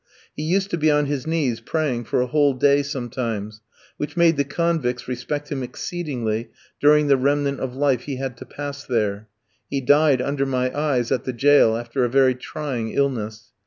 He used to be on his knees praying for a whole day sometimes, which made the convicts respect him exceedingly during the remnant of life he had to pass there; he died under my eyes at the jail after a very trying illness.